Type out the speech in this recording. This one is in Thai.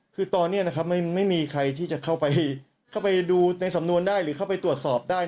คือตอนนี้นะครับไม่มีใครที่จะเข้าไปดูในสำนวนได้หรือเข้าไปตรวจสอบได้